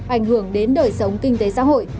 ảnh hưởng đến đời sống kinh tế xã hội